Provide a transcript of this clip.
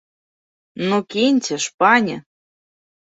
Ну, кіньце ж, пане!